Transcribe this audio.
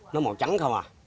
nó màu trắng không à